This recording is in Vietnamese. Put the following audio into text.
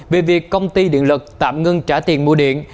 về việc công ty điện lực tạm ngưng trả tiền mua điện